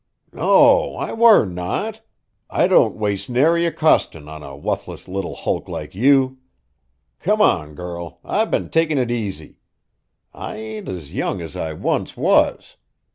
"No. I war not! I don't waste nary a Coston on a wuthless little hulk like ye. Come on, girl, I've been takin' it easy. I ain't as young as I once was.